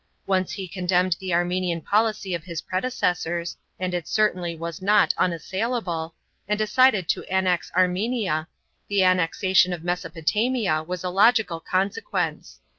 Oi ce he condemned the Armenian policy of his predecessor — and it certainly was not unassailable, — and decided to annex Armenia, the annexation ot Mesopotamia was a logical consequence.